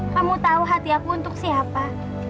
kamu tahu hati aku untuk siapa